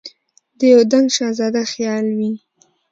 د یو دنګ شهزاده خیال وي